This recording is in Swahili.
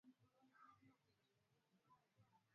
Kuwepo kwa wanyama wenye maambukizi